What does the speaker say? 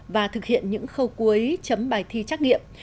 và thực hiện những khâu cuối chấm bài thi trắc nghiệm